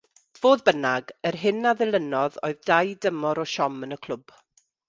Fodd bynnag, yr hyn a ddilynodd oedd dau dymor o siom yn y clwb.